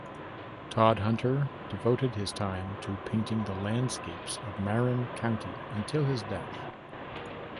Todhunter devoted his time to painting the landscapes of Marin County until his death.